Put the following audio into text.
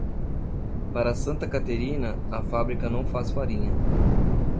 Para Santa Caterina, a fábrica não faz farinha.